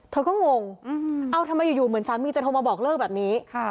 เธอก็งงเอ้าทำไมอยู่เหมือนสามีจะโทรมาบอกเลิกแบบนี้